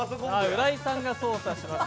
浦井さんが操作します。